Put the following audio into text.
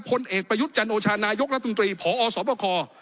เอกประยุทธ์จันโอชานายกรัฐมนตรีพอสบค